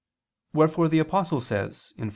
Wherefore the Apostle says (Phil.